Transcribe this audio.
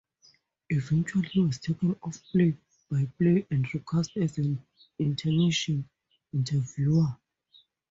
Eventually he was taken off play-by-play and re-cast as an intermission interviewer.